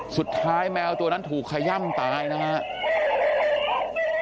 แมวตัวนั้นถูกขย่ำตายนะครับ